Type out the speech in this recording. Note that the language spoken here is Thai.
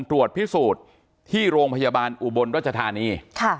ทรงตรวจพิสูรสิทธิ์ที่โรงพยาบาลอุบลรถชาธารณี